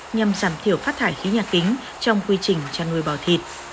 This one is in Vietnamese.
nhằm giảm thiểu phát thải khí nhà kính trong quy trình chăn nuôi bò thịt